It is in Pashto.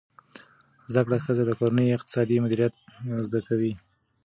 زده کړه ښځه د کورني اقتصاد مدیریت زده کوي.